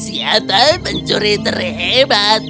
siapa pencuri terhebat